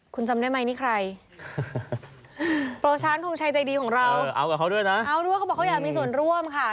คุณจำได้มั้ยนี่ใครโปรช้างโทงชายใจดีของเราเอาด้วยนะเขาบอกว่าอยากมีส่วนร่วมค่ะ